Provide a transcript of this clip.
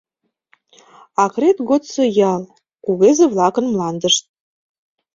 Акрет годсо ял, кугезе-влакын мландышт.